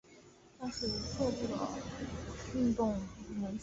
但是各部的运动会仍是在各部进行。